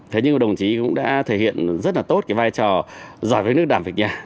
thế nhưng mà đồng chí cũng đã thể hiện rất là tốt cái vai trò giỏi với nước đảm việc nhà